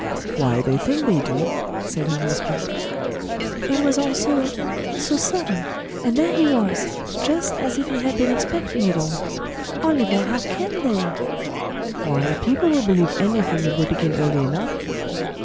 "Why, they think they do," said her husband. "It was all so so sudden; and there he was, just as if he had been expecting it all. Oliver, how can they?" "Why, people will believe anything if they begin early enough."